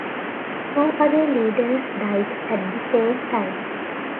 Two other leaders died at the same time.